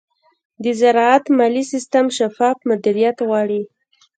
د زراعت مالي سیستم شفاف مدیریت غواړي.